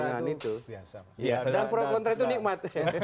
pro kontra itu biasa dan pro kontra itu nikmat